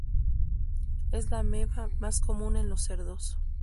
Es la ameba más común en los cerdos.